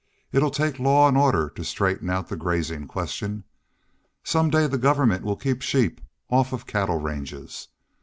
It 'll take law an' order to straighten out the grazin' question. Some day the government will keep sheep off of cattle ranges....